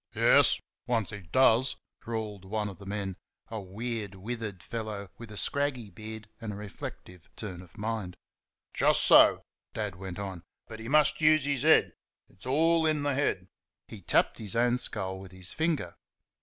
"Yes! Once he DOES!" drawled one of the men, a weird, withered fellow with a scraggy beard and a reflective turn of mind. "Jusso," Dad went on, "but he must use his HEAD; it's all in th' head." (He tapped his own skull with his finger).